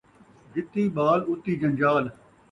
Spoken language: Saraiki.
جِتی ٻال، اُتی جنجال